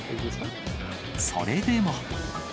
それでも。